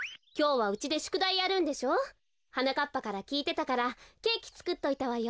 はなかっぱからきいてたからケーキつくっといたわよ。